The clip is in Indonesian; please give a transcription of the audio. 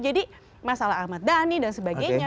jadi masalah ahmad dhani dan sebagainya